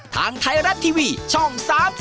ทางไทยรัฐทีวีช่อง๓๒